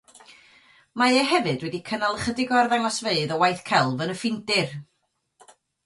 Mae e hefyd wedi cynnal ychydig o arddangosfeydd o waith celf yn y Ffindir.